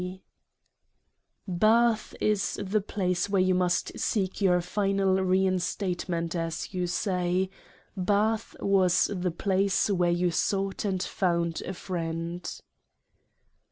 P. Bath is the Place where you must seek your final Rein statement as you say: Bath was the place where you sought and found a Friend.